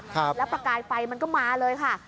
แล้วประกายไฟมันก็มาเลยค่ะ